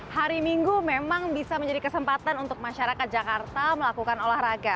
hari minggu memang bisa menjadi kesempatan untuk masyarakat jakarta melakukan olahraga